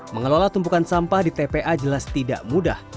mengelola tumpukan sampah di tpa jelas tidak mudah